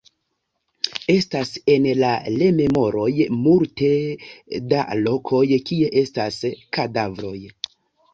Estas en la rememoroj multe da lokoj, kie estas kadavroj.